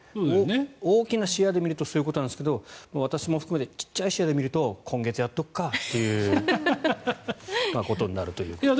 大きな視野で見るとそういうことなんですけど私も含めて小さい視野で見ると今月やっとくかっていうことになるということですね。